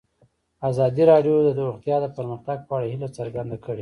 ازادي راډیو د روغتیا د پرمختګ په اړه هیله څرګنده کړې.